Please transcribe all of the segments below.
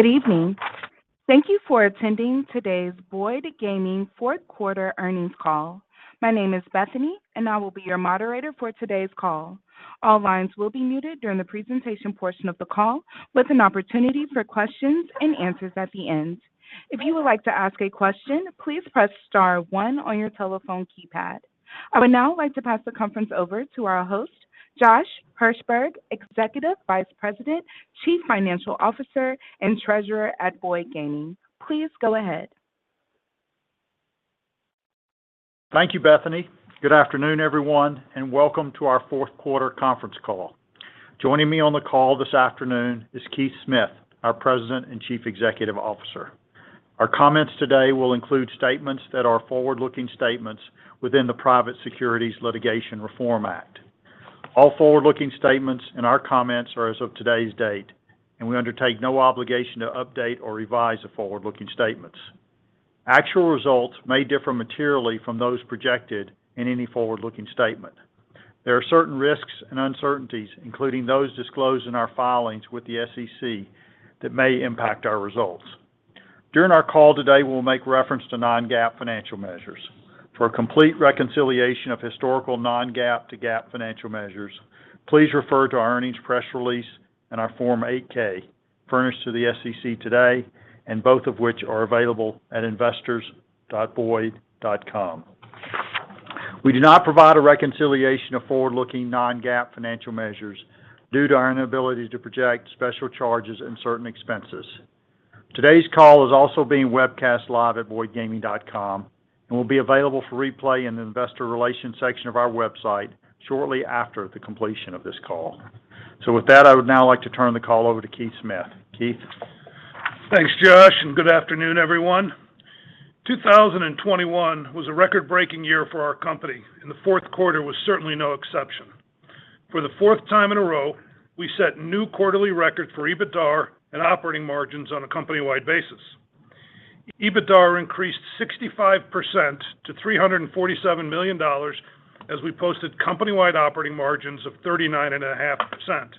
Good evening. Thank you for attending today's Boyd Gaming Q4 earnings call. My name is Bethany, and I will be your moderator for today's call. All lines will be muted during the presentation portion of the call with an opportunity for questions and answers at the end. If you would like to ask a question, please press star one on your telephone keypad. I would now like to pass the conference over to our host, Josh Hirsberg, Executive Vice President, Chief Financial Officer, and Treasurer at Boyd Gaming. Please go ahead. Thank you, Bethany. Good afternoon, everyone, and welcome to our Q4 conference call. Joining me on the call this afternoon is Keith Smith, our President and Chief Executive Officer. Our comments today will include statements that are forward-looking statements within the Private Securities Litigation Reform Act. All forward-looking statements in our comments are as of today's date, and we undertake no obligation to update or revise the forward-looking statements. Actual results may differ materially from those projected in any forward-looking statement. There are certain risks and uncertainties, including those disclosed in our filings with the SEC, that may impact our results. During our call today, we'll make reference to non-GAAP financial measures. For a complete reconciliation of historical non-GAAP to GAAP financial measures, please refer to our earnings press release and our Form 8-K, furnished to the SEC today, and both of which are available at investors.boydgaming.com. We do not provide a reconciliation of forward-looking non-GAAP financial measures due to our inability to project special charges and certain expenses. Today's call is also being webcast live at boydgaming.com and will be available for replay in the investor relations section of our website shortly after the completion of this call. With that, I would now like to turn the call over to Keith Smith. Keith? Thanks, Josh, and good afternoon, everyone. 2021 was a record-breaking year for our company, and the Q4 was certainly no exception. For the 4th time in a row, we set new quarterly records for EBITDA and operating margins on a company-wide basis. EBITDA increased 65% to $347 million as we posted company-wide operating margins of 39.5%,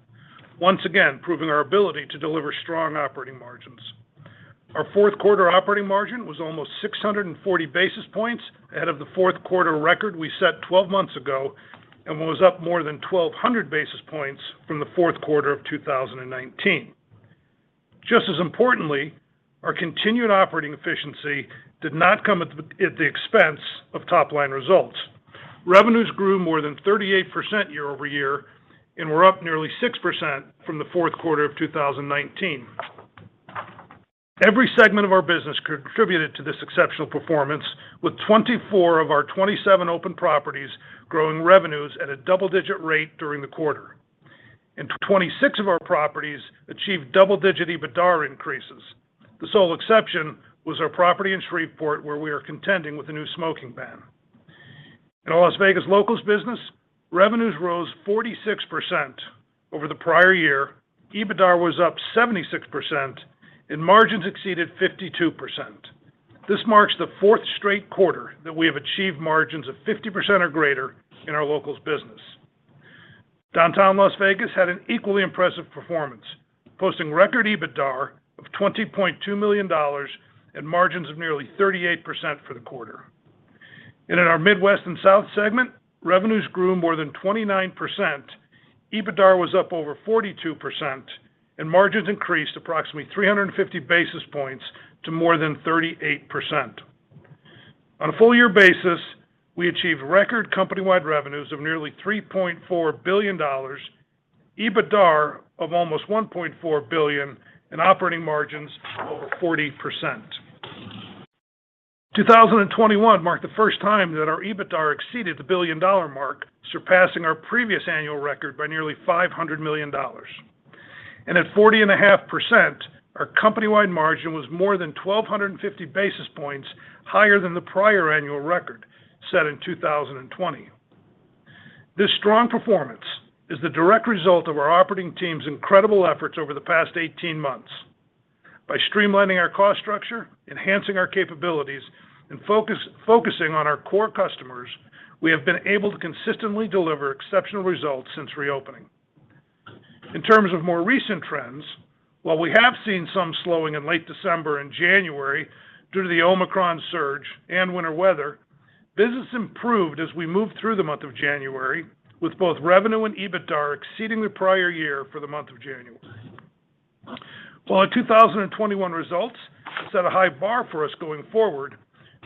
once again proving our ability to deliver strong operating margins. Our Q4 operating margin was almost 640 basis points ahead of the Q4 record we set 12 months ago and was up more than 1,200 basis points from the Q4 of 2019. Just as importantly, our continued operating efficiency did not come at the expense of top-line results. Revenues grew more than 38% year-over-year and were up nearly 6% from the Q4 of 2019. Every segment of our business contributed to this exceptional performance with 24 of our 27 open properties growing revenues at a double-digit rate during the quarter. Twenty-six of our properties achieved double-digit EBITDA increases. The sole exception was our property in Shreveport, where we are contending with a new smoking ban. In our Las Vegas locals business, revenues rose 46% over the prior year. EBITDA was up 76%, and margins exceeded 52%. This marks the 4th straight quarter that we have achieved margins of 50% or greater in our locals business. Downtown Las Vegas had an equally impressive performance, posting record EBITDA of $20.2 million and margins of nearly 38% for the quarter. In our Midwest and South segment, revenues grew more than 29%, EBITDA was up over 42%, and margins increased approximately 350 basis points to more than 38%. On a full year basis, we achieved record company-wide revenues of nearly $3.4 billion, EBITDA of almost $1.4 billion, and operating margins over 40%. 2021 marked the first time that our EBITDA exceeded the billion-dollar mark, surpassing our previous annual record by nearly $500 million. At 40.5%, our company-wide margin was more than 1,250 basis points higher than the prior annual record set in 2020. This strong performance is the direct result of our operating team's incredible efforts over the past 18 months. By streamlining our cost structure, enhancing our capabilities, and focusing on our core customers, we have been able to consistently deliver exceptional results since reopening. In terms of more recent trends, while we have seen some slowing in late December and January due to the Omicron surge and winter weather, business improved as we moved through the month of January with both revenue and EBITDA exceeding the prior year for the month of January. While our 2021 results set a high bar for us going forward,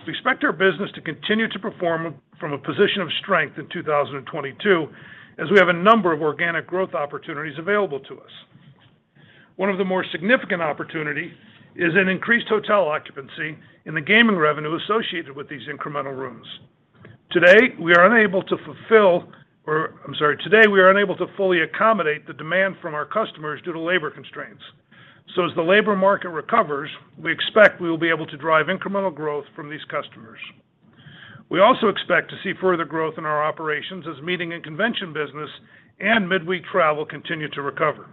we expect our business to continue to perform from a position of strength in 2022 as we have a number of organic growth opportunities available to us. One of the more significant opportunity is an increased hotel occupancy and the gaming revenue associated with these incremental rooms. Today, we are unable to fully accommodate the demand from our customers due to labor constraints. As the labor market recovers, we expect we will be able to drive incremental growth from these customers. We also expect to see further growth in our operations as meeting and convention business and midweek travel continue to recover.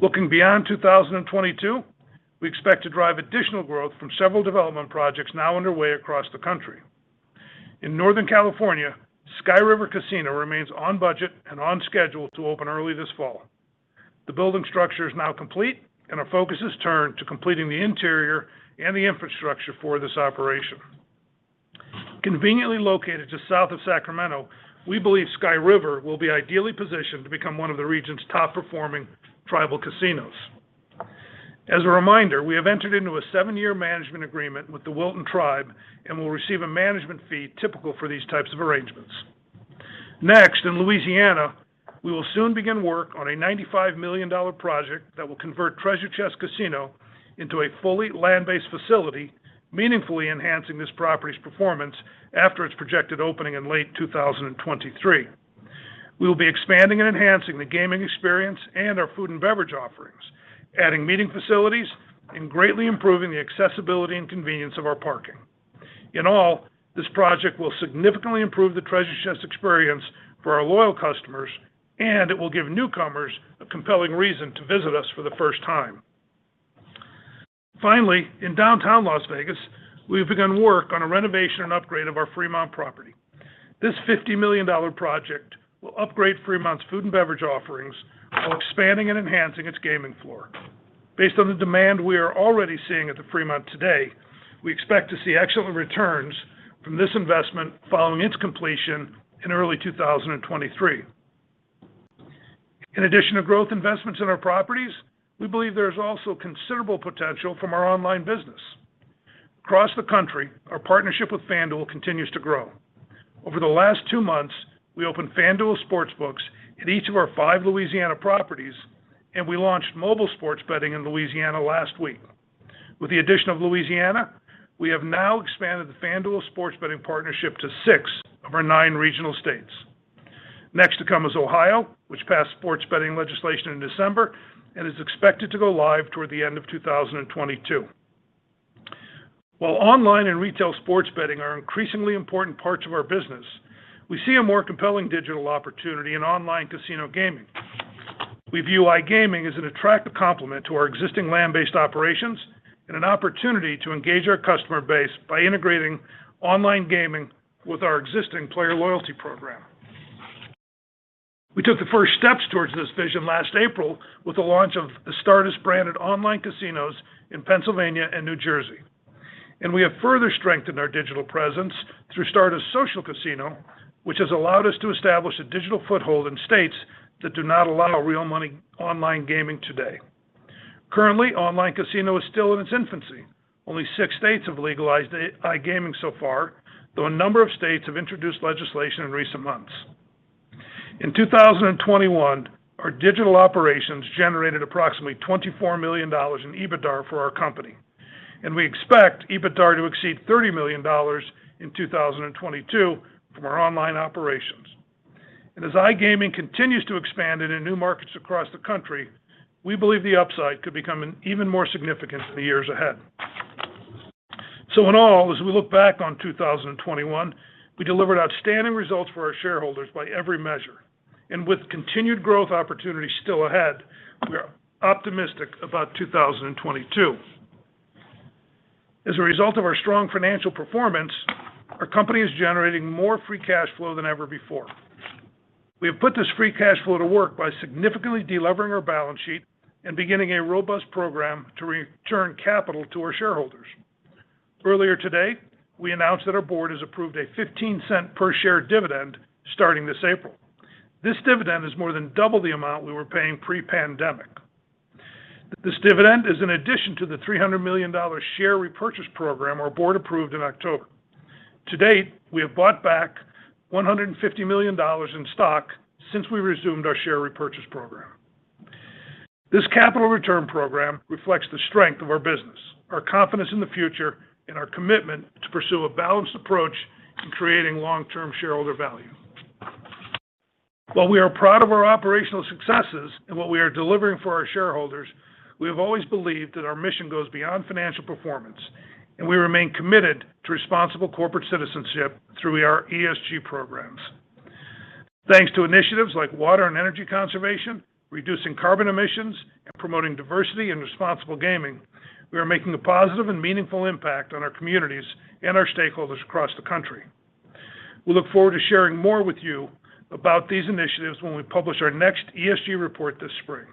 Looking beyond 2022, we expect to drive additional growth from several development projects now underway across the country. In Northern California, Sky River Casino remains on budget and on schedule to open early this fall. The building structure is now complete, and our focus has turned to completing the interior and the infrastructure for this operation. Conveniently located just south of Sacramento, we believe Sky River will be ideally positioned to become one of the region's top performing tribal casinos. As a reminder, we have entered into a seven year management agreement with the Wilton Rancheria and will receive a management fee typical for these types of arrangements. Next, in Louisiana, we will soon begin work on a $95 million project that will convert Treasure Chest Casino into a fully land-based facility, meaningfully enhancing this property's performance after its projected opening in late 2023. We will be expanding and enhancing the gaming experience and our food and beverage offerings, adding meeting facilities and greatly improving the accessibility and convenience of our parking. In all, this project will significantly improve the Treasure Chest experience for our loyal customers, and it will give newcomers a compelling reason to visit us for the first time. Finally, in downtown Las Vegas, we've begun work on a renovation and upgrade of our Fremont property. This $50 million project will upgrade Fremont's food and beverage offerings while expanding and enhancing its gaming floor. Based on the demand we are already seeing at the Fremont today, we expect to see excellent returns from this investment following its completion in early 2023. In addition to growth investments in our properties, we believe there is also considerable potential from our online business. Across the country, our partnership with FanDuel continues to grow. Over the last two months, we opened FanDuel sports books in each of our five Louisiana properties, and we launched mobile sports betting in Louisiana last week. With the addition of Louisiana, we have now expanded the FanDuel sports betting partnership to six of our nine regional states. Next to come is Ohio, which passed sports betting legislation in December and is expected to go live toward the end of 2022. While online and retail sports betting are increasingly important parts of our business, we see a more compelling digital opportunity in online casino gaming. We view iGaming as an attractive complement to our existing land-based operations and an opportunity to engage our customer base by integrating online gaming with our existing player loyalty program. We took the first steps towards this vision last April with the launch of the Stardust branded online casinos in Pennsylvania and New Jersey. We have further strengthened our digital presence through Stardust Social Casino, which has allowed us to establish a digital foothold in states that do not allow real money online gaming today. Currently, online casino is still in its infancy. Only six states have legalized iGaming so far, though a number of states have introduced legislation in recent months. In 2021, our digital operations generated approximately $24 million in EBITDA for our company, and we expect EBITDA to exceed $30 million in 2022 from our online operations. As iGaming continues to expand into new markets across the country, we believe the upside could become even more significant in the years ahead. In all, as we look back on 2021, we delivered outstanding results for our shareholders by every measure and with continued growth opportunities still ahead, we are optimistic about 2022. As a result of our strong financial performance, our company is generating more free cash flow than ever before. We have put this free cash flow to work by significantly delevering our balance sheet and beginning a robust program to return capital to our shareholders. Earlier today, we announced that our board has approved a $0.15 per share dividend starting this April. This dividend is more than double the amount we were paying pre-pandemic. This dividend is in addition to the $300 million share repurchase program our board approved in October. To date, we have bought back $150 million in stock since we resumed our share repurchase program. This capital return program reflects the strength of our business, our confidence in the future, and our commitment to pursue a balanced approach in creating long-term shareholder value. While we are proud of our operational successes and what we are delivering for our shareholders, we have always believed that our mission goes beyond financial performance, and we remain committed to responsible corporate citizenship through our ESG programs. Thanks to initiatives like water and energy conservation, reducing carbon emissions, and promoting diversity and responsible gaming, we are making a positive and meaningful impact on our communities and our stakeholders across the country. We look forward to sharing more with you about these initiatives when we publish our next ESG report this spring.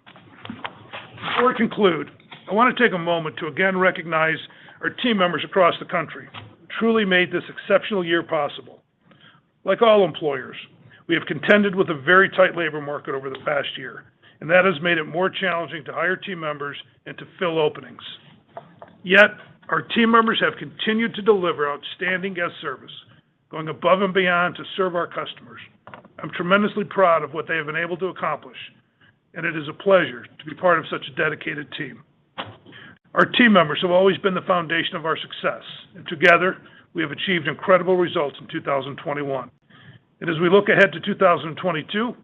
Before I conclude, I want to take a moment to again recognize our team members across the country who truly made this exceptional year possible. Like all employers, we have contended with a very tight labor market over the past year, and that has made it more challenging to hire team members and to fill openings. Yet, our team members have continued to deliver outstanding guest service, going above and beyond to serve our customers. I'm tremendously proud of what they have been able to accomplish, and it is a pleasure to be part of such a dedicated team. Our team members have always been the foundation of our success, and together, we have achieved incredible results in 2021. As we look ahead to 2022,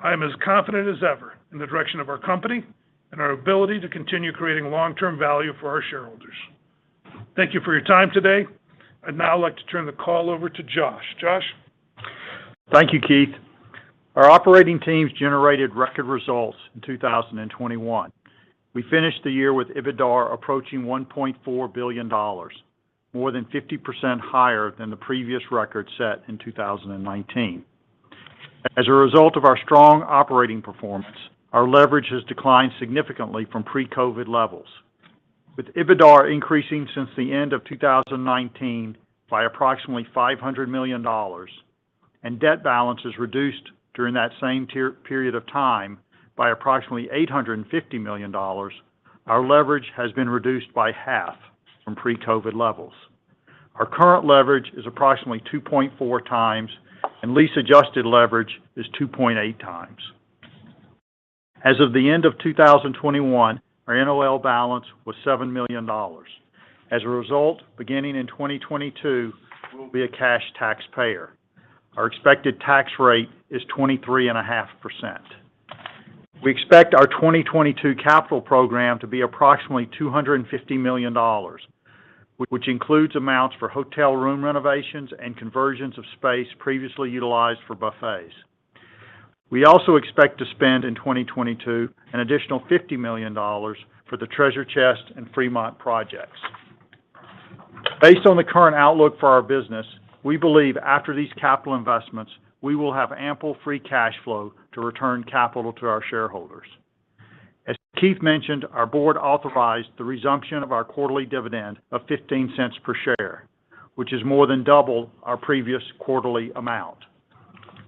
I am as confident as ever in the direction of our company and our ability to continue creating long-term value for our shareholders. Thank you for your time today. I'd now like to turn the call over to Josh. Josh? Thank you, Keith. Our operating teams generated record results in 2021. We finished the year with EBITDA approaching $1.4 billion, more than 50% higher than the previous record set in 2019. As a result of our strong operating performance, our leverage has declined significantly from pre-COVID levels. With EBITDA increasing since the end of 2019 by approximately $500 million and debt balances reduced during that same time period of time by approximately $850 million, our leverage has been reduced by half from pre-COVID levels. Our current leverage is approximately 2.4x, and lease-adjusted leverage is 2.8x. As of the end of 2021, our NOL balance was $7 million. As a result, beginning in 2022, we will be a cash taxpayer. Our expected tax rate is 23.5%. We expect our 2022 capital program to be approximately $250 million, which includes amounts for hotel room renovations and conversions of space previously utilized for buffets. We also expect to spend in 2022 an additional $50 million for the Treasure Chest and Fremont projects. Based on the current outlook for our business, we believe after these capital investments, we will have ample free cash flow to return capital to our shareholders. As Keith mentioned, our board authorized the resumption of our quarterly dividend of $0.15 per share, which is more than double our previous quarterly amount.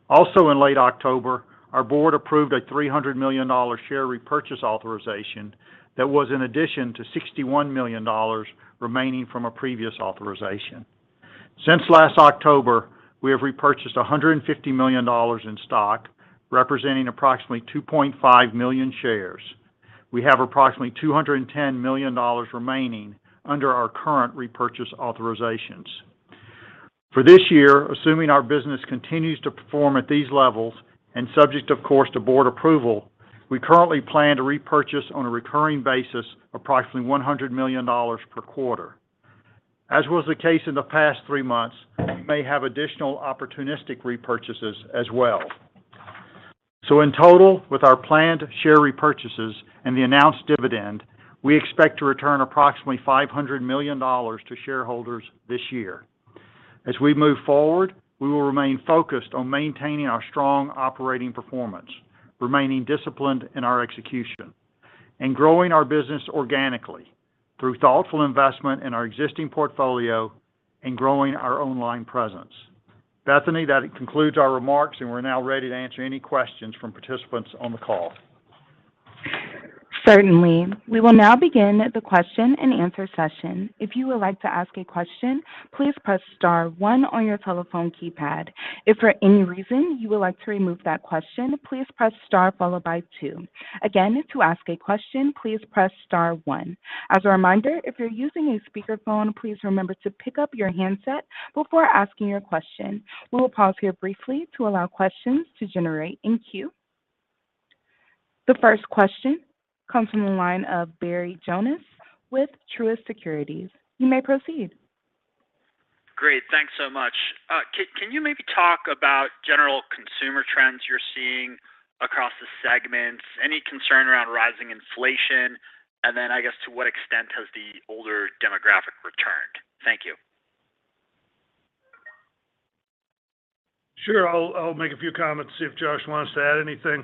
Also in late October, our board approved a $300 million share repurchase authorization that was in addition to $61 million remaining from a previous authorization. Since last October, we have repurchased $150 million in stock, representing approximately 2.5 million shares. We have approximately $210 million remaining under our current repurchase authorizations. For this year, assuming our business continues to perform at these levels, and subject, of course, to board approval, we currently plan to repurchase on a recurring basis approximately $100 million per quarter. As was the case in the past three months, we may have additional opportunistic repurchases as well. In total, with our planned share repurchases and the announced dividend, we expect to return approximately $500 million to shareholders this year. As we move forward, we will remain focused on maintaining our strong operating performance, remaining disciplined in our execution, and growing our business organically through thoughtful investment in our existing portfolio and growing our online presence. Bethany, that concludes our remarks, and we're now ready to answer any questions from participants on the call. Certainly. We will now begin the question and answer session. If you would like to ask a question, please press star one on your telephone keypad. If for any reason you would like to remove that question, please press star followed by two. Again, to ask a question, please press star one. As a reminder, if you're using a speakerphone, please remember to pick up your handset before asking your question. We will pause here briefly to allow questions to generate in queue. The first question comes from the line of Barry Jonas with Truist Securities. You may proceed. Great. Thanks so much. Can you maybe talk about general consumer trends you're seeing across the segments? Any concern around rising inflation? I guess, to what extent has the older demographic returned? Thank you. Sure. I'll make a few comments, see if Josh wants to add anything.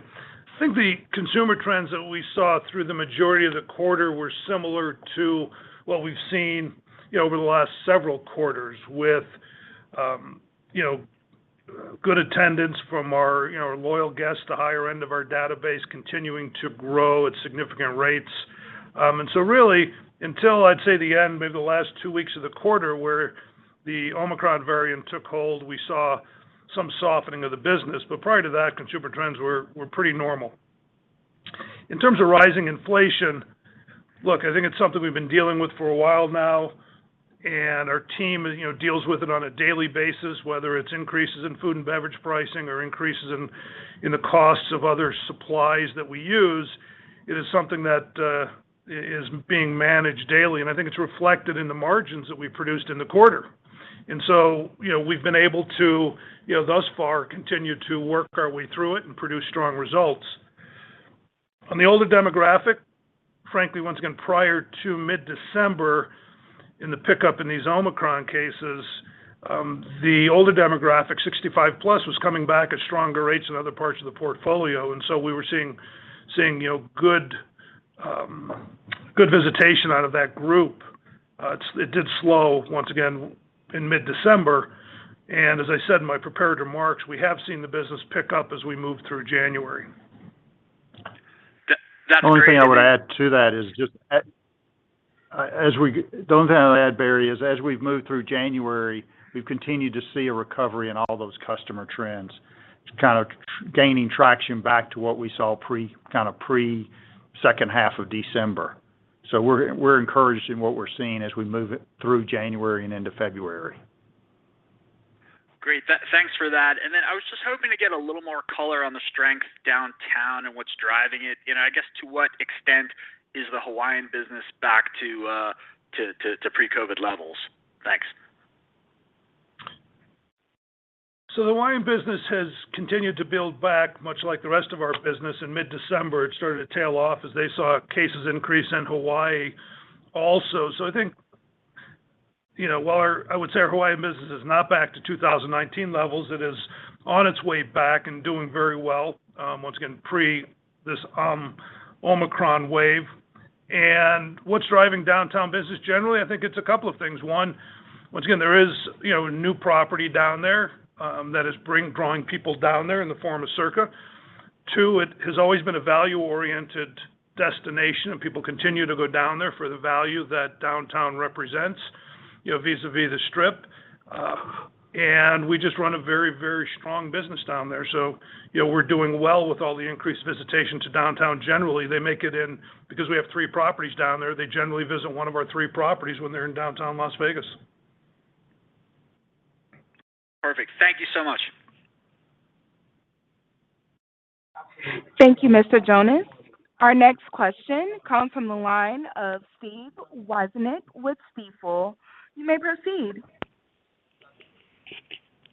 I think the consumer trends that we saw through the majority of the quarter were similar to what we've seen, you know, over the last several quarters with, you know, good attendance from our, you know, loyal guests, the higher end of our database continuing to grow at significant rates. And so really, until I'd say the end, maybe the last two weeks of the quarter where the Omicron variant took hold, we saw some softening of the business. Prior to that, consumer trends were pretty normal. In terms of rising inflation, look, I think it's something we've been dealing with for a while now, and our team, you know, deals with it on a daily basis, whether it's increases in food and beverage pricing or increases in the costs of other supplies that we use, it is something that is being managed daily. I think it's reflected in the margins that we produced in the quarter. You know, we've been able to, you know, thus far, continue to work our way through it and produce strong results. On the older demographic, frankly, once again, prior to mid-December in the pickup in these Omicron cases, the older demographic, 65+, was coming back at stronger rates in other parts of the portfolio. We were seeing, you know, good visitation out of that group. It did slow once again in mid-December. As I said in my prepared remarks, we have seen the business pick up as we move through January. That's great. The only thing I'd add, Barry, is as we've moved through January, we've continued to see a recovery in all those customer trends. It's kind of gaining traction back to what we saw pre-second half of December. We're encouraged in what we're seeing as we move it through January and into February. Great. Thanks for that. I was just hoping to get a little more color on the strength downtown and what's driving it. You know, I guess to what extent is the Hawaiian business back to pre-COVID levels? The Hawaiian business has continued to build back much like the rest of our business. In mid-December, it started to tail off as they saw cases increase in Hawaii also. I think, you know, while our, I would say our Hawaiian business is not back to 2019 levels, it is on its way back and doing very well, once again, pre this, Omicron wave. What's driving downtown business generally, I think it's a couple of things. One, once again, there is, you know, a new property down there, that is drawing people down there in the form of Circa. Two, it has always been a value-oriented destination, and people continue to go down there for the value that downtown represents, you know, vis-a-vis the Strip. We just run a very, very strong business down there. You know, we're doing well with all the increased visitation to downtown generally because we have three properties down there, they generally visit one of our three properties when they're in downtown Las Vegas. Perfect. Thank you so much. Thank you, Mr. Jonas. Our next question comes from the line of Steven Wieczynski with Stifel. You may proceed.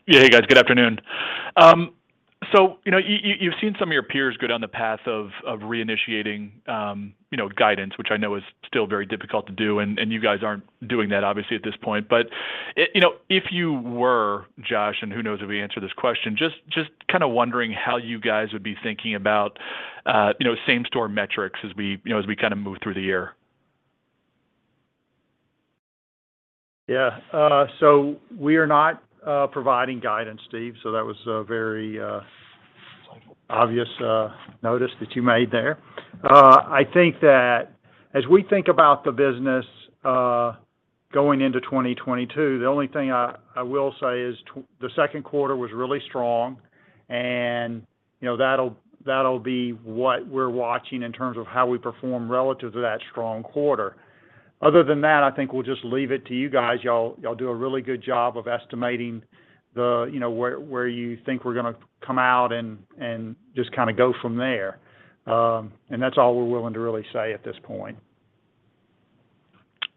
Yeah, hey, guys, good afternoon. So, you know, you've seen some of your peers go down the path of reinitiating, you know, guidance, which I know is still very difficult to do, and you guys aren't doing that, obviously, at this point. You know, if you were, Josh, and who knows if you'll answer this question, just kind of wondering how you guys would be thinking about, you know, same-store metrics as we, you know, as we kind of move through the year. Yeah. We are not providing guidance, Steve, so that was a very obvious notice that you made there. I think that as we think about the business going into 2022, the only thing I will say is the Q2 was really strong, and, you know, that'll be what we're watching in terms of how we perform relative to that strong quarter. Other than that, I think we'll just leave it to you guys. Y'all do a really good job of estimating the, you know, where you think we're gonna come out and just kind of go from there. That's all we're willing to really say at this point.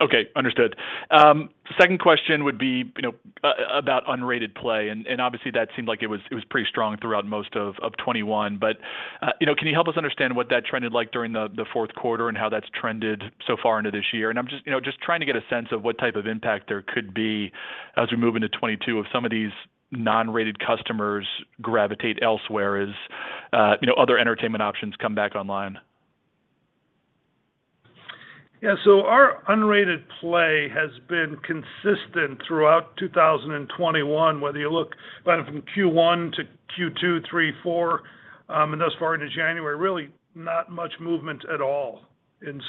Okay. Understood. Second question would be, you know, about unrated play, and obviously that seemed like it was pretty strong throughout most of 2021. You know, can you help us understand what that trended like during the Q4 and how that's trended so far into this year? I'm just, you know, just trying to get a sense of what type of impact there could be as we move into 2022 if some of these non-rated customers gravitate elsewhere as, you know, other entertainment options come back online. Yeah. Our unrated play has been consistent throughout 2021, whether you look right from Q1 to Q2, Q3, Q4, and thus far into January, really not much movement at all. You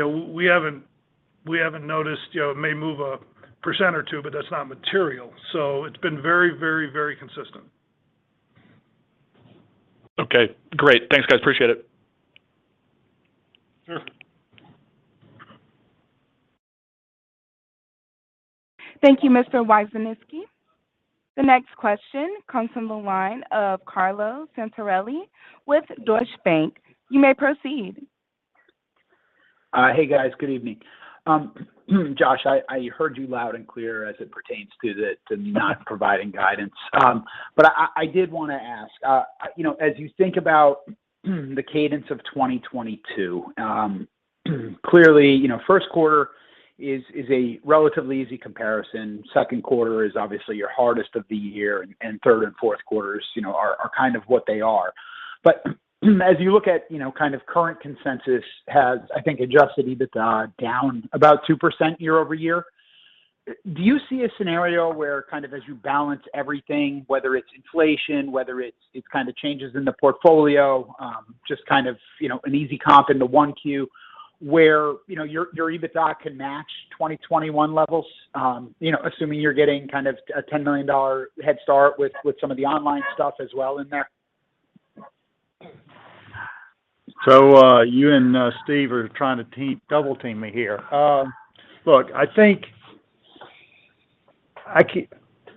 know, we haven't noticed, you know, it may move 1% or 2%, but that's not material. It's been very consistent. Okay, great. Thanks, guys. Appreciate it. Sure. Thank you, Mr. Wieczynski. The next question comes from the line of Carlo Santarelli with Deutsche Bank. You may proceed. Hey, guys. Good evening. Josh, I heard you loud and clear as it pertains to not providing guidance. I did wanna ask, you know, as you think about the cadence of 2022, clearly, you know, Q1 is a relatively easy comparison. Q2 is obviously your hardest of the year, and Q3 and Q4, you know, are kind of what they are. As you look at, you know, kind of current consensus has, I think, adjusted EBITDA down about 2% year-over-year. Do you see a scenario where kind of as you balance everything, whether it's inflation, it's kind of changes in the portfolio, just kind of, you know, an easy comp into Q1 where, you know, your EBITDA can match 2021 levels, you know, assuming you're getting kind of a $10 million head start with some of the online stuff as well in there? You and Steve are trying to double team me here. Look, I think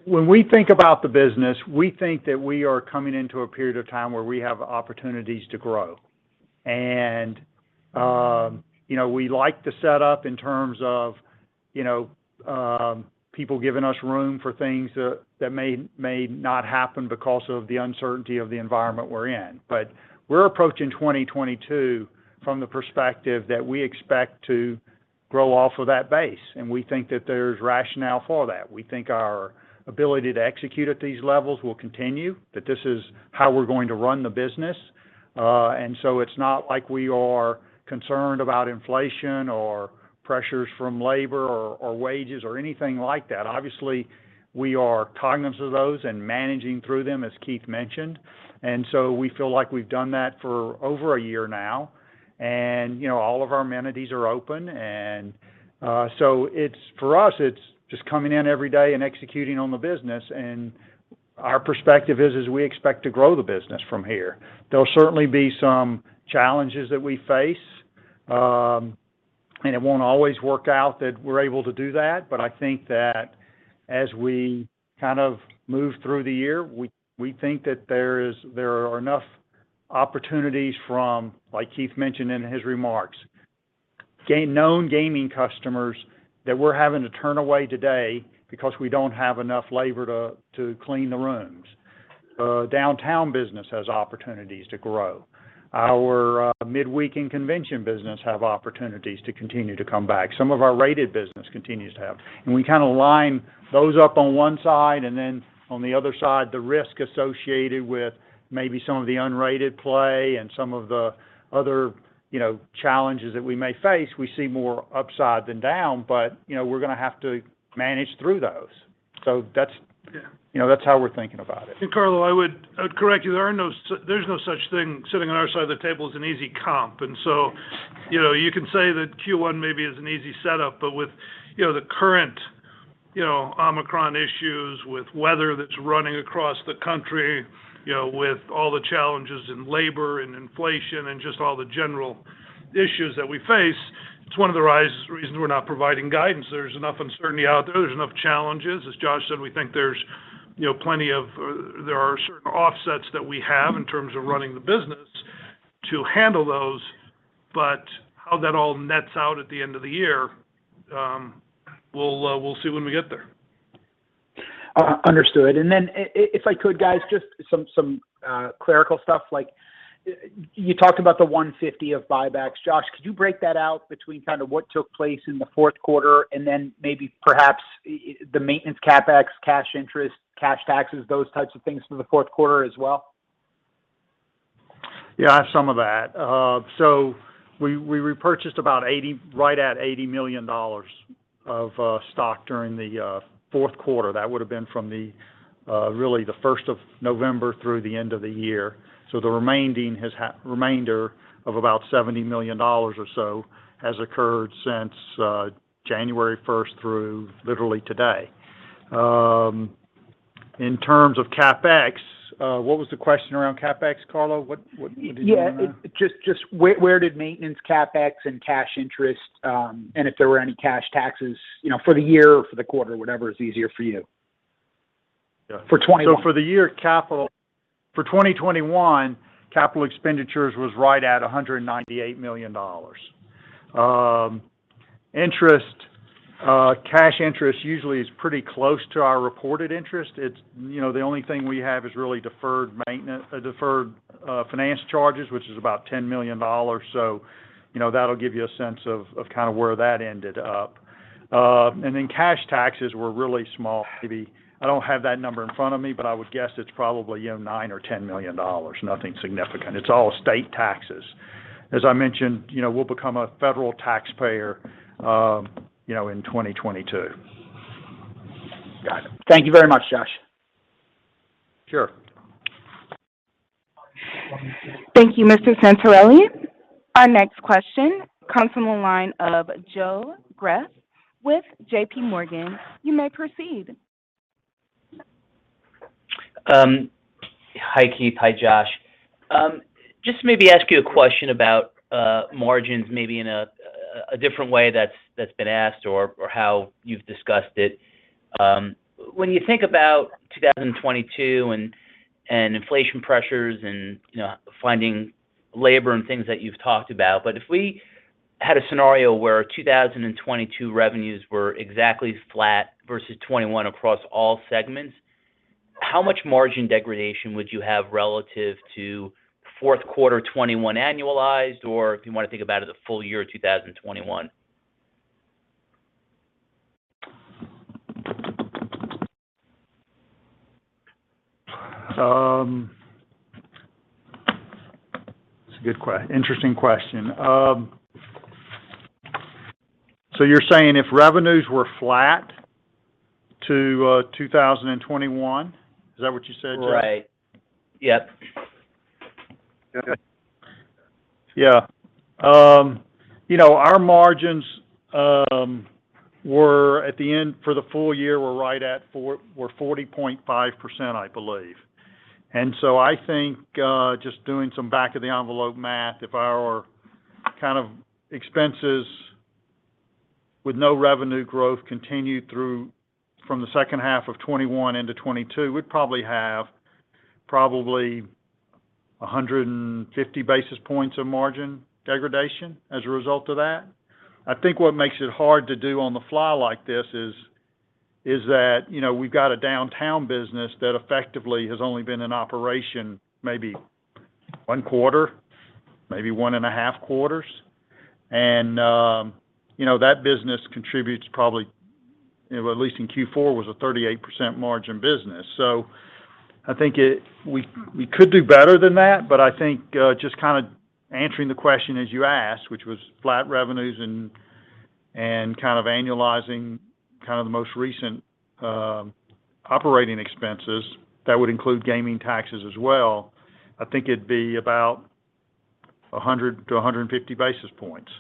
when we think about the business, we think that we are coming into a period of time where we have opportunities to grow. You know, we like to set up in terms of, you know, people giving us room for things that may not happen because of the uncertainty of the environment we're in but we're approaching 2022 from the perspective that we expect to grow off of that base, and we think that there's rationale for that. We think our ability to execute at these levels will continue, that this is how we're going to run the business. It's not like we are concerned about inflation or pressures from labor or wages or anything like that. Obviously, we are cognizant of those and managing through them, as Keith mentioned. We feel like we've done that for over a year now. You know, all of our amenities are open and, so it's for us, it's just coming in every day and executing on the business, and our perspective is we expect to grow the business from here. There'll certainly be some challenges that we face, and it won't always work out that we're able to do that. I think that as we kind of move through the year, we think that there are enough opportunities from, like Keith mentioned in his remarks. Known gaming customers that we're having to turn away today because we don't have enough labor to clean the rooms. Downtown business has opportunities to grow. Our midweek and convention business have opportunities to continue to come back. Some of our rated business continues to have. When you kind of line those up on one side, and then on the other side, the risk associated with maybe some of the unrated play and some of the other, you know, challenges that we may face, we see more upside than down. You know, we're gonna have to manage through those. That's, you know, that's how we're thinking about it. Carlo, I would correct you. There's no such thing, sitting on our side of the table, as an easy comp. You know, you can say that Q1 maybe is an easy setup, but with the current Omicron issues, with weather that's running across the country, you know, with all the challenges in labor and inflation and just all the general issues that we face, it's one of the reasons we're not providing guidance. There's enough uncertainty out there. There's enough challenges. As Josh said, we think there are certain offsets that we have in terms of running the business to handle those. But how that all nets out at the end of the year, we'll see when we get there. Understood. If I could, guys, just some clerical stuff. Like, you talked about the $150 of buybacks. Josh, could you break that out between kind of what took place in the Q4 and then maybe perhaps the maintenance CapEx, cash interest, cash taxes, those types of things from the Q4 as well? Yeah, I have some of that. We repurchased right at $80 million of stock during the Q4. That would have been from really the 1st of November through the end of the year. The remainder of about $70 million or so has occurred since January 1st through literally today. In terms of CapEx, what was the question around CapEx, Carlo? What did you mean on that? Yeah. Just where did maintenance CapEx and cash interest, and if there were any cash taxes, you know, for the year or for the quarter, whatever is easier for you? Yeah. For 2021. For the year, for 2021, capital expenditures was right at $198 million. Interest, cash interest usually is pretty close to our reported interest. It's, you know, the only thing we have is really deferred finance charges, which is about $10 million. You know, that'll give you a sense of kind of where that ended up. And then cash taxes were really small. I don't have that number in front of me, but I would guess it's probably, you know, $9 million or $10 million. Nothing significant. It's all state taxes. As I mentioned, you know, we'll become a federal taxpayer, you know, in 2022. Got it. Thank you very much, Josh. Sure. Thank you, Mr. Santarelli. Our next question comes from the line of Joe Greff with JPMorgan. You may proceed. Hi, Keith. Hi, Josh. Just maybe ask you a question about margins maybe in a different way that's been asked or how you've discussed it. When you think about 2022 and inflation pressures and, you know, finding labor and things that you've talked about, but if we had a scenario where 2022 revenues were exactly flat versus 2021 across all segments, how much margin degradation would you have relative to Q4 2021 annualized or if you wanna think about it as a full year 2021? That's a good, interesting question. So you're saying if revenues were flat to 2021? Is that what you said, Joe? Right. Yep. Okay. Yeah. You know, our margins were at the end for the full year right at 40.5%, I believe. I think just doing some back of the envelope math, if our kind of expenses with no revenue growth continued through from the H2 of 2021 into 2022, we'd probably have 150 basis points of margin degradation as a result of that. I think what makes it hard to do on the fly like this is that you know, we've got a downtown business that effectively has only been in operation maybe one quarter, maybe 1.5 quarters. You know, that business contributes probably, you know, at least in Q4, was a 38% margin business. I think we could do better than that, but I think just kind of answering the question as you asked, which was flat revenues and kind of annualizing the most recent operating expenses, that would include gaming taxes as well. I think it'd be about 100-150 basis points,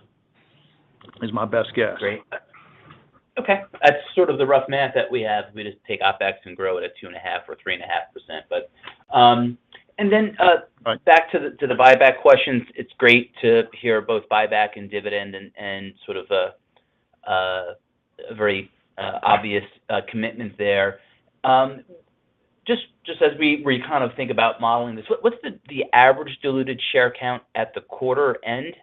my best guess. Great. Okay. That's sort of the rough math that we have. We just take OpEx and grow it at 2.5% or 3.5%, and then back to the buyback questions. It's great to hear both buyback and dividend and sort of a very obvious commitment there. Just as we kind of think about modeling this, what's the average diluted share count at the quarter end?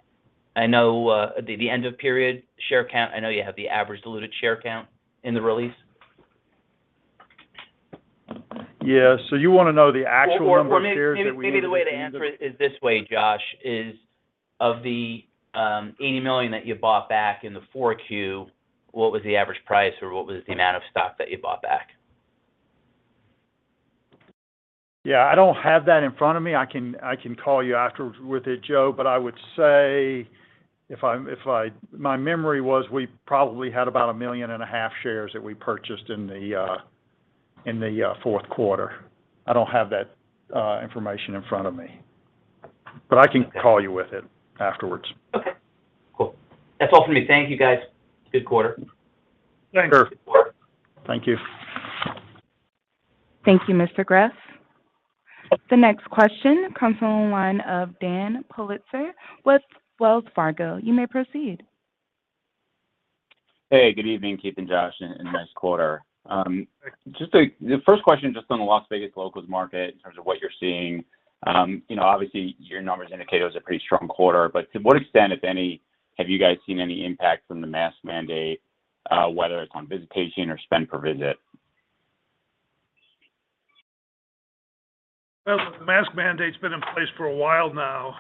I know the end of period share count. I know you have the average diluted share count in the release. Yeah. You wanna know the actual number of shares that we ended? Well, or maybe the way to answer it is this way, Josh, is of the $80 million that you bought back in the 4Q, what was the average price, or what was the amount of stock that you bought back? Yeah, I don't have that in front of me. I can call you afterwards with it, Joe. I would say my memory was we probably had about 1.5 million shares that we purchased in the Q4. I don't have that information in front of me. I can call you with it afterwards. Okay. Cool. That's all for me. Thank you, guys. Good quarter. Sure. Thanks. Thank you. Thank you, Mr. Greff. The next question comes from the line of Dan Politzer with Wells Fargo. You may proceed. Hey, good evening, Keith and Josh, and nice quarter. Thanks The first question just on the Las Vegas locals market in terms of what you're seeing. You know, obviously, your numbers indicate it was a pretty strong quarter. To what extent, if any, have you guys seen any impact from the mask mandate, whether it's on visitation or spend per visit? Well, the mask mandate's been in place for a while now,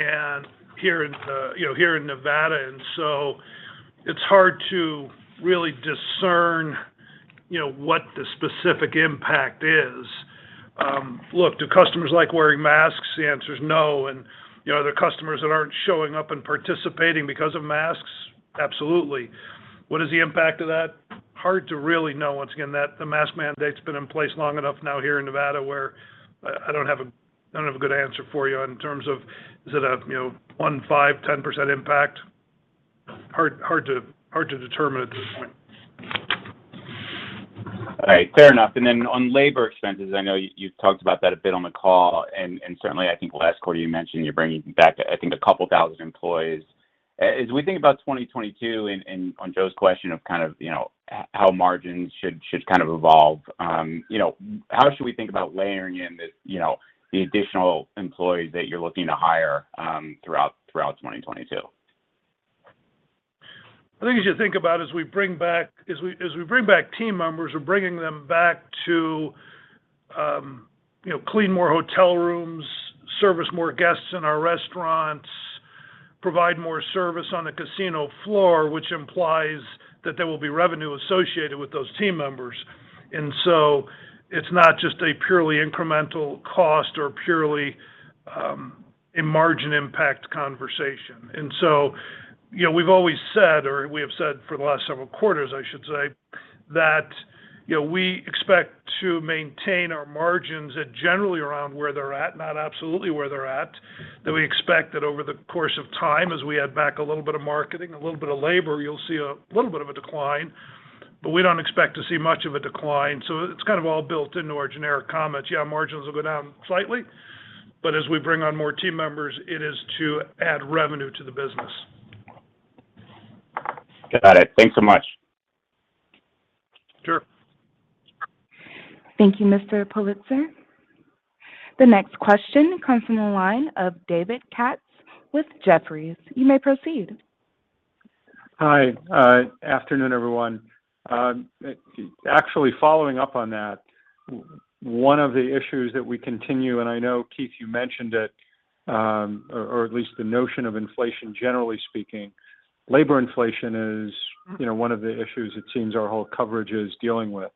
and here in, you know, here in Nevada, and so it's hard to really discern, you know, what the specific impact is. Look, do customers like wearing masks? The answer's no. You know, are there customers that aren't showing up and participating because of masks? Absolutely. What is the impact of that? Hard to really know. Once again, the mask mandate's been in place long enough now here in Nevada where I don't have a good answer for you in terms of is it a, you know, 1%, 5%, 10% impact. Hard to determine at this point. All right. Fair enough. On labor expenses, I know you've talked about that a bit on the call, and certainly I think last quarter you mentioned you're bringing back, I think, a couple thousand employees. As we think about 2022 and on Joe's question of kind of, you know, how margins should kind of evolve, you know, how should we think about layering in the, you know, the additional employees that you're looking to hire, throughout 2022? The thing you should think about as we bring back team members, we're bringing them back to, you know, clean more hotel rooms, service more guests in our restaurants, provide more service on the casino floor, which implies that there will be revenue associated with those team members. It's not just a purely incremental cost or purely a margin impact conversation. You know, we've always said, or we have said for the last several quarters I should say, that, you know, we expect to maintain our margins at generally around where they're at, not absolutely where they're at. That we expect that over the course of time as we add back a little bit of marketing, a little bit of labor, you'll see a little bit of a decline, but we don't expect to see much of a decline. It's kind of all built into our generic comments. Yeah, margins will go down slightly, but as we bring on more team members, it is to add revenue to the business. Got it. Thanks so much. Sure. Thank you, Mr. Politzer. The next question comes from the line of David Katz with Jefferies. You may proceed. Hi. Afternoon, everyone. Actually following up on that, one of the issues that we continue, and I know, Keith, you mentioned it, or at least the notion of inflation generally speaking, labor inflation is, you know, one of the issues it seems our whole coverage is dealing with.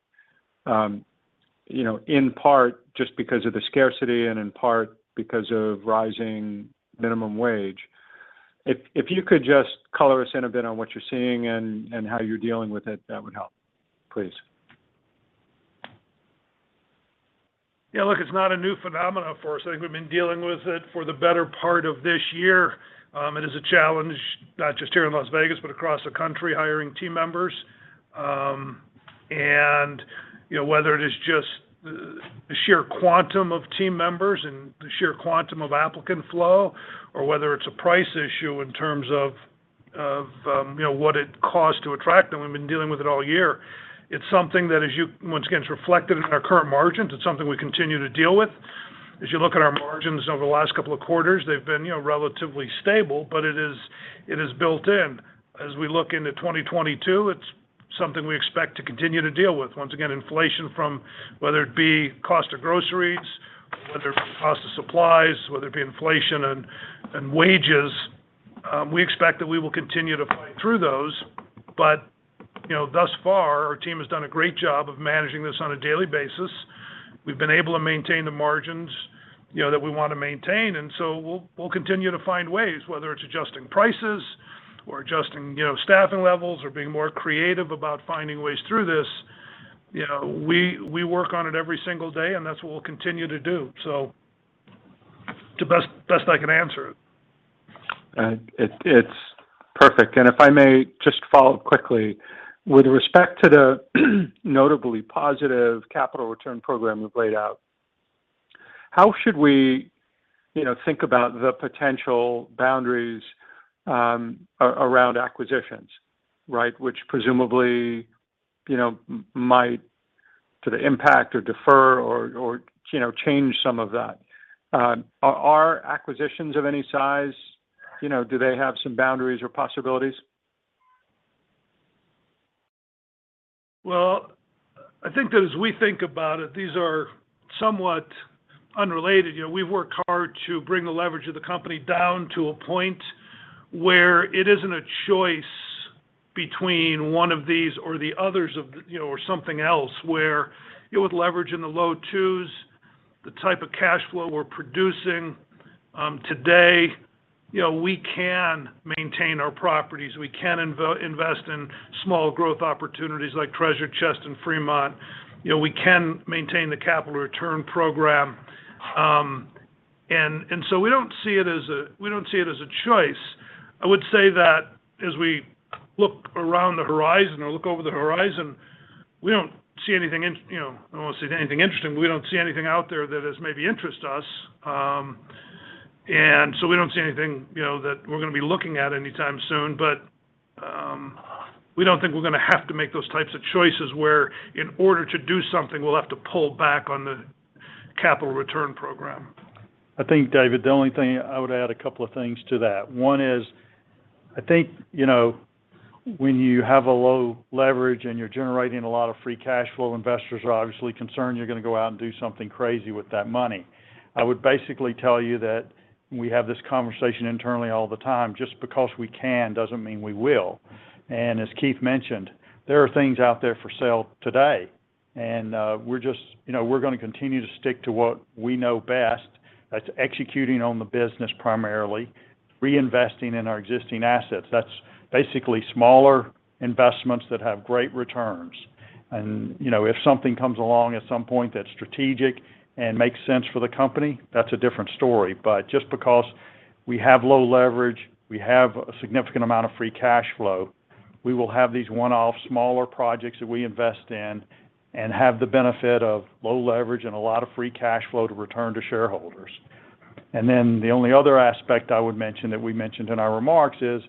You know, in part just because of the scarcity and in part because of rising minimum wage. If you could just color us in a bit on what you're seeing and how you're dealing with it, that would help, please. Yeah. Look, it's not a new phenomenon for us. I think we've been dealing with it for the better part of this year. It is a challenge not just here in Las Vegas, but across the country, hiring team members. You know, whether it is just the sheer quantum of team members and the sheer quantum of applicant flow, or whether it's a price issue in terms of what it costs to attract them, we've been dealing with it all year. It's something that, once again, is reflected in our current margins. It's something we continue to deal with. As you look at our margins over the last couple of quarters, they've been, you know, relatively stable, but it is built in. As we look into 2022, it's something we expect to continue to deal with. Once again, inflation from whether it be cost of groceries, whether it be cost of supplies, whether it be inflation and wages, we expect that we will continue to fight through those. You know, thus far, our team has done a great job of managing this on a daily basis. We've been able to maintain the margins, you know, that we want to maintain. We'll continue to find ways, whether it's adjusting prices or adjusting, you know, staffing levels or being more creative about finding ways through this. You know, we work on it every single day, and that's what we'll continue to do. The best I can answer it. It's perfect. If I may just follow up quickly with respect to the notably positive capital return program you've laid out. How should we, you know, think about the potential boundaries around acquisitions, right? Which presumably, you know, might sort of impact or defer or, you know, change some of that. Are acquisitions of any size? You know, do they have some boundaries or possibilities? Well, I think that as we think about it, these are somewhat unrelated. You know, we've worked hard to bring the leverage of the company down to a point where it isn't a choice between one of these or the others of the, you know, or something else. Where with leverage in the low twos, the type of cash flow we're producing today, you know, we can maintain our properties. We can invest in small growth opportunities like Treasure Chest and Fremont. You know, we can maintain the capital return program. We don't see it as a choice. I would say that as we look around the horizon or look over the horizon, we don't see anything, you know, I don't wanna say anything interesting, but we don't see anything out there that is of interest to us. We don't see anything, you know, that we're gonna be looking at anytime soon. We don't think we're gonna have to make those types of choices, where in order to do something, we'll have to pull back on the capital return program. I think, David, the only thing I would add a couple of things to that. One is, I think you know, when you have a low leverage and you're generating a lot of free cash flow, investors are obviously concerned you're gonna go out and do something crazy with that money. I would basically tell you that we have this conversation internally all the time. Just because we can, doesn't mean we will. As Keith mentioned, there are things out there for sale today, and we're just you know we're gonna continue to stick to what we know best. That's executing on the business primarily, reinvesting in our existing assets. That's basically smaller investments that have great returns. You know, if something comes along at some point that's strategic and makes sense for the company, that's a different story. Just because we have low leverage, we have a significant amount of free cash flow, we will have these one-off smaller projects that we invest in and have the benefit of low leverage and a lot of free cash flow to return to shareholders. The only other aspect I would mention that we mentioned in our remarks is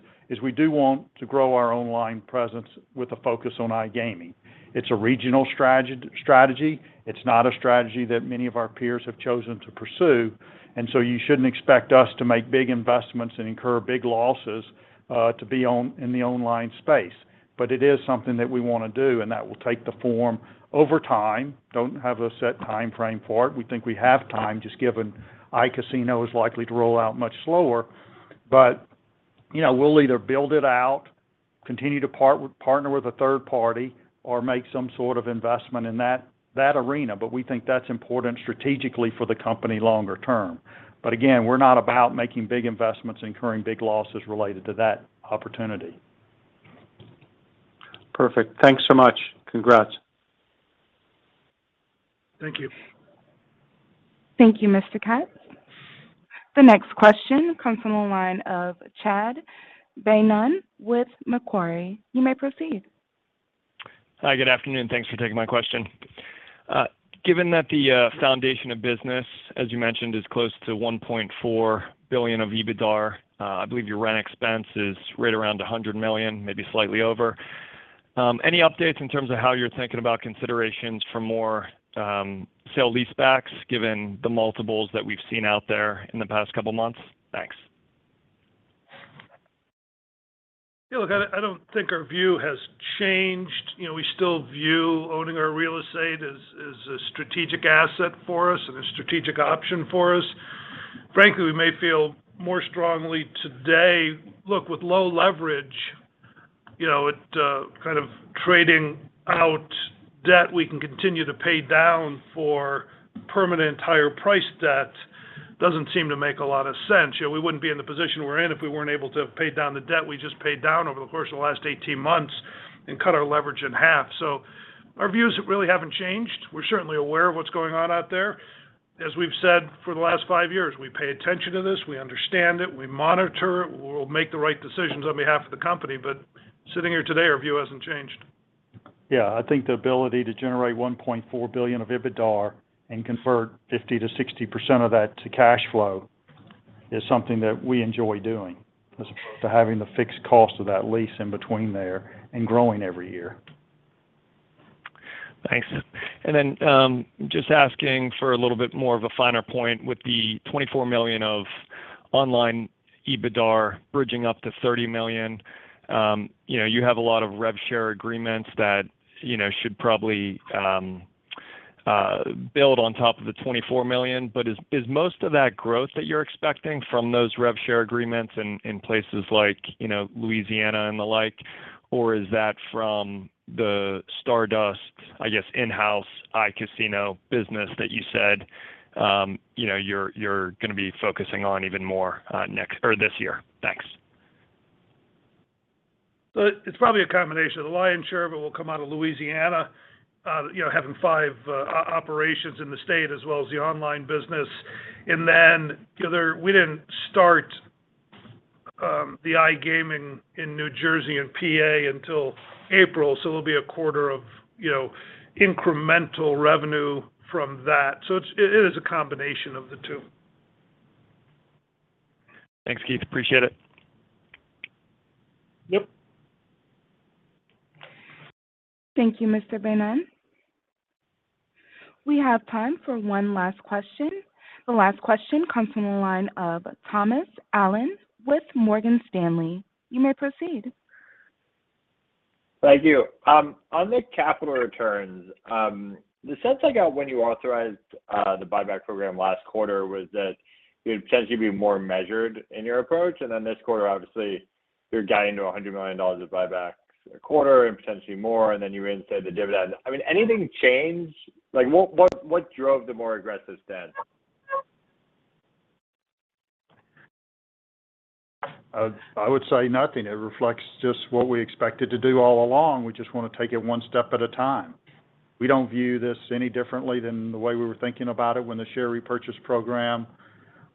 we do want to grow our online presence with a focus on iGaming. It's a regional strategy. It's not a strategy that many of our peers have chosen to pursue, and so you shouldn't expect us to make big investments and incur big losses to be on in the online space. It is something that we wanna do, and that will take the form over time. We don't have a set timeframe for it. We think we have time, just given iCasino is likely to roll out much slower. You know, we'll either build it out, continue to partner with a third party, or make some sort of investment in that arena. We think that's important strategically for the company longer term. Again, we're not about making big investments, incurring big losses related to that opportunity. Perfect. Thanks so much. Congrats. Thank you. Thank you, Mr. Katz. The next question comes from the line of Chad Beynon with Macquarie. You may proceed. Hi, good afternoon. Thanks for taking my question. Given that the foundation of business, as you mentioned, is close to $1.4 billion of EBITDAR, I believe your rent expense is right around $100 million, maybe slightly over. Any updates in terms of how you're thinking about considerations for more sale leasebacks, given the multiples that we've seen out there in the past couple months? Thanks. Yeah, look, I don't think our view has changed. You know, we still view owning our real estate as a strategic asset for us and a strategic option for us. Frankly, we may feel more strongly today. Look, with low leverage, you know, it kind of trading out debt we can continue to pay down for permanent higher price debt doesn't seem to make a lot of sense. You know, we wouldn't be in the position we're in if we weren't able to pay down the debt we just paid down over the course of the last 18 months and cut our leverage in half. Our views really haven't changed. We're certainly aware of what's going on out there. As we've said for the last five years, we pay attention to this. We understand it. We monitor it. We'll make the right decisions on behalf of the company but sitting here today, our view hasn't changed. Yeah. I think the ability to generate $1.4 billion of EBITDAR and convert 50%-60% of that to cash flow is something that we enjoy doing, as opposed to having the fixed cost of that lease in between there and growing every year. Thanks. Then, just asking for a little bit more of a finer point with the $24 million of online EBITDAR bridging up to $30 million. You know, you have a lot of rev share agreements that, you know, should probably build on top of the $24 million. But is most of that growth that you're expecting from those rev share agreements in places like, you know, Louisiana and the like? Or is that from the Stardust, I guess, in-house iCasino business that you said, you know, you're gonna be focusing on even more, or this year? Thanks. It's probably a combination. The lion's share of it will come out of Louisiana, you know, having five operations in the state as well as the online business. We didn't start the iGaming in New Jersey and PA until April, so it'll be a quarter of, you know, incremental revenue from that. It is a combination of the two. Thanks, Keith. Appreciate it. Yep. Thank you, Mr. Beynon. We have time for one last question. The last question comes from the line of Thomas Allen with Morgan Stanley. You may proceed. Thank you. On the capital returns, the sense I got when you authorized the buyback program last quarter was that you would potentially be more measured in your approach. Then this quarter, obviously, you're guiding to $100 million of buybacks a quarter and potentially more, and then you reinstated the dividend. I mean, anything change? Like, what drove the more aggressive stance? I would say nothing. It reflects just what we expected to do all along. We just wanna take it one step at a time. We don't view this any differently than the way we were thinking about it when the share repurchase program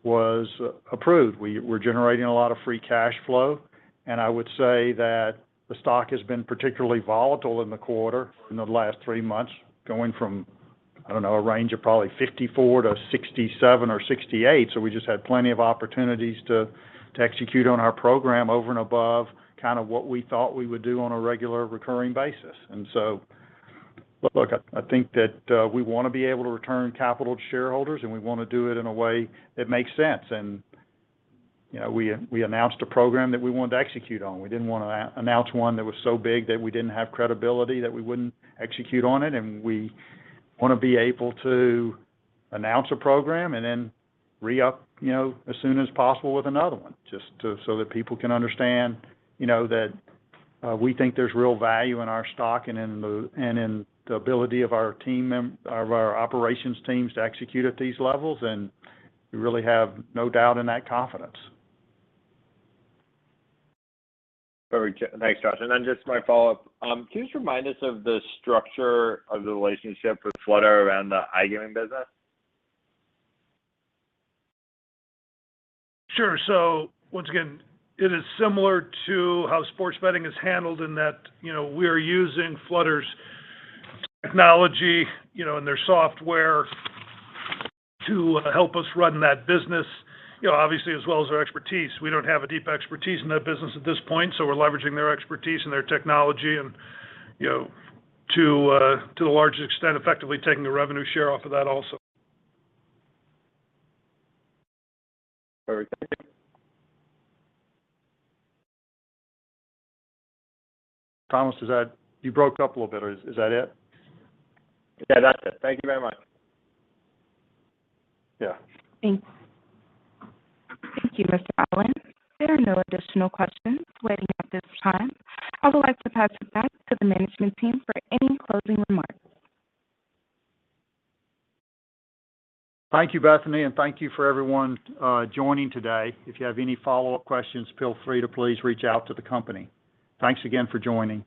was approved. We're generating a lot of free cash flow, and I would say that the stock has been particularly volatile in the quarter, in the last three months, going from, I don't know, a range of probably 54-67 or 68. We just had plenty of opportunities to execute on our program over and above kind of what we thought we would do on a regular recurring basis. Look, I think that we wanna be able to return capital to shareholders, and we wanna do it in a way that makes sense. You know, we announced a program that we wanted to execute on. We didn't wanna announce one that was so big that we didn't have credibility, that we wouldn't execute on it. We wanna be able to announce a program and then re-up, you know, as soon as possible with another one, so that people can understand, you know, that we think there's real value in our stock and in the ability of our operations teams to execute at these levels. We really have no doubt in that confidence. Thanks, Josh. Just my follow-up. Can you just remind us of the structure of the relationship with Flutter around the iGaming business? Sure. Once again, it is similar to how sports betting is handled in that, you know, we're using Flutter's technology, you know, and their software to help us run that business, you know, obviously, as well as their expertise. We don't have a deep expertise in that business at this point, so we're leveraging their expertise and their technology and, you know, to the largest extent, effectively taking a revenue share off of that also. Perfect. Thank you. Thomas, is that you? You broke up a little bit. Is that it? Yeah, that's it. Thank you very much. Yeah. Thanks. Thank you, Mr. Allen. There are no additional questions waiting at this time. I would like to pass it back to the management team for any closing remarks. Thank you, Bethany, and thank you for everyone joining today. If you have any follow-up questions, feel free to please reach out to the company. Thanks again for joining.